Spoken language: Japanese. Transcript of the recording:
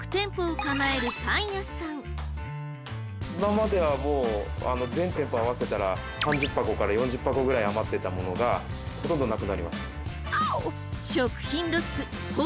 今までは全店舗合わせたら３０箱から４０箱ぐらい余ってたものがほとんどなくなりました。